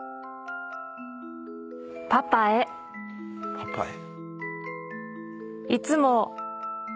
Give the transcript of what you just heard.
「パパへ」？